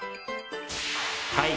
はい。